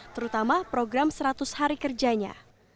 terutama program seratus hari kerjanya